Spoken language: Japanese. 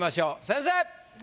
先生！